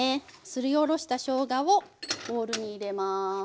すりおろしたしょうがをボウルに入れます。